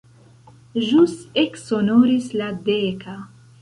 Ĵus eksonoris la deka.